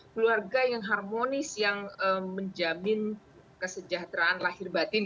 keluarga yang harmonis yang menjamin kesejahteraan lahir batin